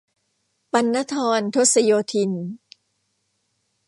ปัณณธร ทศโยธิน